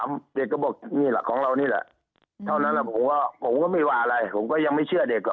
เด็กก็บอกนี่แหละของเรานี่แหละเท่านั้นผมก็ผมก็ไม่ว่าอะไรผมก็ยังไม่เชื่อเด็กอ่ะ